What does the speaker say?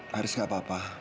haris gak apa apa